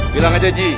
bilang saja haji